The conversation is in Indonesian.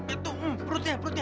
itu hmm perutnya perutnya